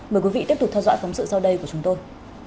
mời quý vị tiếp tục theo dõi phóng sự sau đây của chúng tôi